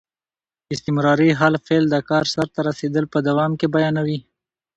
استمراري حال فعل د کار سرته رسېدل په دوام کې بیانیوي.